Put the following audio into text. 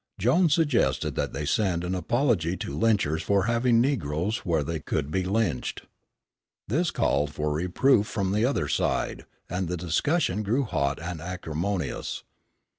Jones suggested that they send an apology to lynchers for having negroes where they could be lynched. This called for reproof from the other side, and the discussion grew hot and acrimonious.